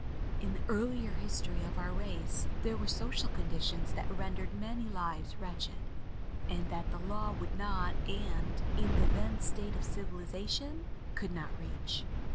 In the earlier history of our race, there were social conditions that rendered many lives wretched, and that the law would not and, in the then state of civilization, could not reach.